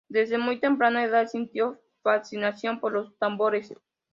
Desde muy temprana edad sintió fascinación por los tambores.